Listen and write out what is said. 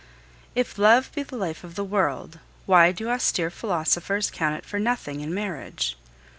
If love be the life of the world, why do austere philosophers count it for nothing in marriage?